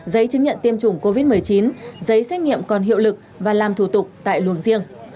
giấy chứng nhận tiêm chủng covid một mươi chín giấy xét nghiệm còn hiệu lực và làm thủ tục tại luồng riêng